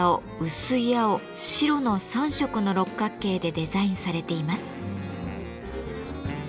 「薄い青」「白」の３色の六角形でデザインされています。